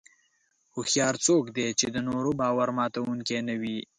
هوښیار څوک دی چې د نورو باور ماتوونکي نه وي.